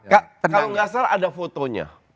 kalau nggak salah ada fotonya